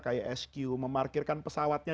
kayak sq memarkirkan pesawatnya